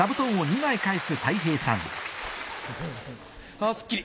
あすっきり。